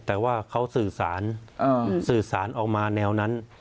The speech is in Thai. แต่ว่าเขาสื่อสารสื่อสารออกมาแนวนั้น